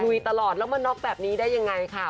ตลอดแล้วมาน็อกแบบนี้ได้ยังไงค่ะ